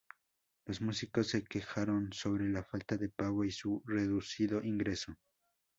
Los músicos se quejaron sobre la falta de pago y su reducido ingreso.